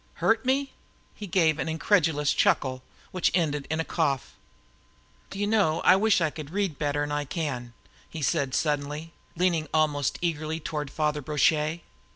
Hurt me!" He gave an incredulous chuckle, which ended in a cough. "Do you know, I wish I could read better 'n I can!" he said suddenly, leaning almost eagerly toward Father Brochet.